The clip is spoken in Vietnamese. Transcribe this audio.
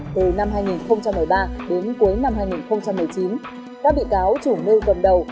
từ năm hai nghìn một mươi ba đến cuối năm hai nghìn một mươi chín các bị cáo chủ mưu cầm đầu